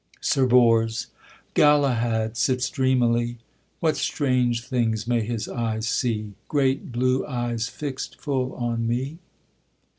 _ SIR BORS. Galahad sits dreamily; What strange things may his eyes see, Great blue eyes fix'd full on me?